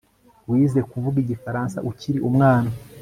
Wize kuvuga igifaransa ukiri umwana